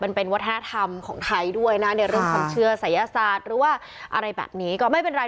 วัฒนธรรมของไทยด้วยนะในเรื่องความเชื่อศัยศาสตร์หรือว่าอะไรแบบนี้ก็ไม่เป็นไร